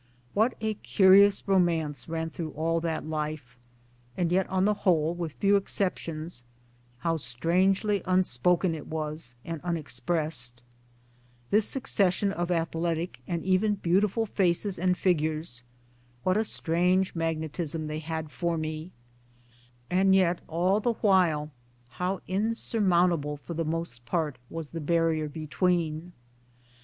CAMBRIDGE n, .What a curious romance ran through all that life and yet on the whole, with few: exceptions, how strangely unspoken it was and unexpressed 1 This succession of athletic and even beautiful faces and figures, what a strange magnetism they had for me, and yet all the while how insurmountable for the most part was the barrier between